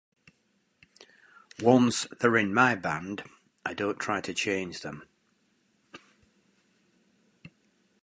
Once they're in my band, I don't try to change them.